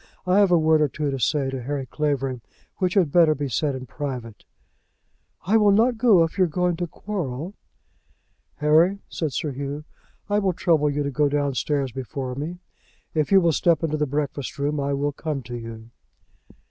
I have a word or two to say to Harry Clavering, which had better be said in private." "I will not go if you are going to quarrel." "Harry," said Sir Hugh, "I will trouble you to go downstairs before me. If you will step into the breakfast room I will come to you."